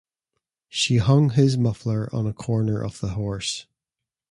She hung his muffler on a corner of the horse.